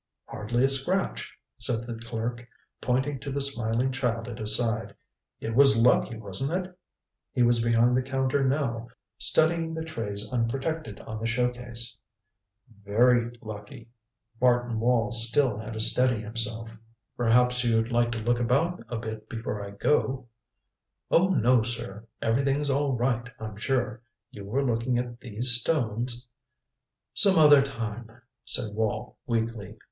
"Hardly a scratch," said the clerk, pointing to the smiling child at his side. "It was lucky, wasn't it?" He was behind the counter now, studying the trays unprotected on the show case. "Very lucky." Martin Wall still had to steady himself. "Perhaps you'd like to look about a bit before I go " "Oh, no, sir. Everything's all right, I'm sure. You were looking at these stones " "Some other time," said Wall weakly.